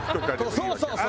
そうそうそう！